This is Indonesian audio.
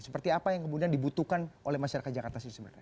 seperti apa yang kemudian dibutuhkan oleh masyarakat jakarta sih sebenarnya